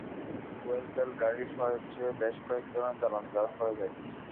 Fuel cell গাড়ির সহায়ক হিসেবে বেশ কয়েক ধরনের জ্বালানি ব্যবহার করা যায়।